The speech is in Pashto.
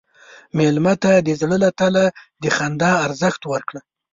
مېلمه ته د زړه له تله د خندا ارزښت ورکړه.